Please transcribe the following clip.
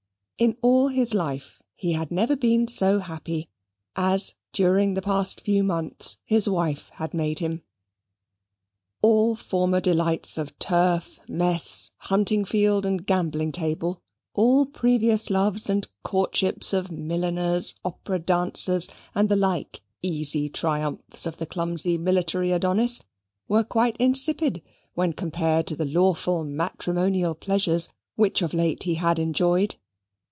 In all his life he had never been so happy, as, during the past few months, his wife had made him. All former delights of turf, mess, hunting field, and gambling table; all previous loves and courtships of milliners, opera dancers, and the like easy triumphs of the clumsy military Adonis, were quite insipid when compared to the lawful matrimonial pleasures which of late he had enjoyed.